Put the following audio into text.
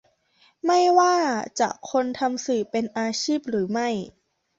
ไม่ว่าจะคนทำสื่อเป็นอาชีพหรือไม่